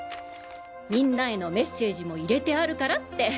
みんなへのメッセージも入れてあるからって！